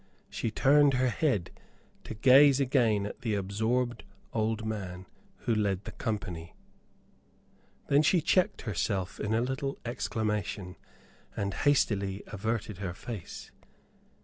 She turned her head to gaze again at the absorbed old man who led the company. Then she checked herself in a little exclamation; and hastily averted her face.